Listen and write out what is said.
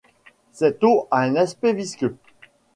Cette eau a un aspect visqueux.